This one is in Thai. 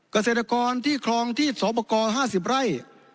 เกษตรกรที่ครองที่สวปกรณ์๕๐ไร่